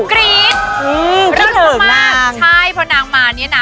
กรี๊ดอืมรักมากใช่เพราะนางมาเนี้ยน่ะ